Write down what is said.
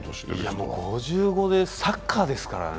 もう５５でサッカーですからね。